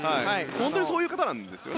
本当にそういう方なんですよね。